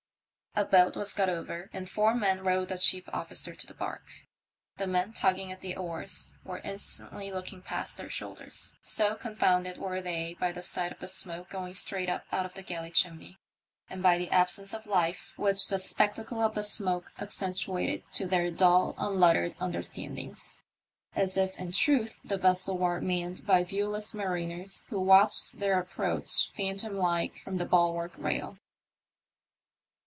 A boat was got over, and four men rowed the chief officer to the barque. The men tugging at the oars were incessantly looking past their shoulders, so con founded were they by the sight of the smoke going straight up out of the galley chimney, and by the absence of life, which the spectacle of the smoke accen tuated to their dull unlettered understandings ; as if in truth the vessel were manned by viewless mariners who watched their approach, phantom like, from the bulwark rail.